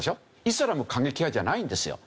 イスラム過激派じゃないんですよ。